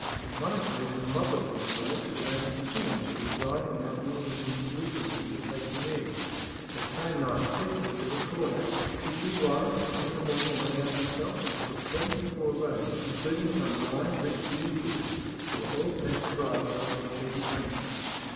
On one occasion a mob of these rogues surrounded the queen as she was riding out in the evening to Islington to take the air. That same night Fleetwood, the Recorder, issued warrants, and in the morning went out himself and took seventy four rogues, including some blind rich usurers, who were all sent to Bridewell for speedy punishment.